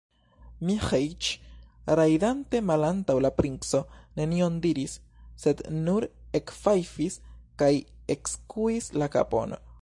Miĥeiĉ, rajdante malantaŭ la princo, nenion diris, sed nur ekfajfis kaj ekskuis la kapon.